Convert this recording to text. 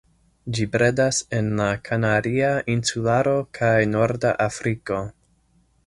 Ĝi bredas en la Kanaria Insularo kaj norda Afriko.